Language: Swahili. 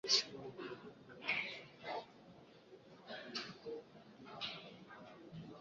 Vifo vya wanyama walioambukizwa mapele ya ngozi inaweza kufikia asilimia ishirini